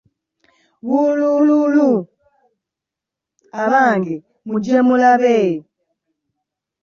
Wuulululuuu, abange mugye mulabe,